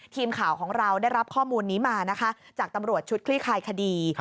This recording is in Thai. ทีมข่าวของเราได้รับข้อมูลนี้มานะคะจากตำรวจชุดคลี่คลายคดี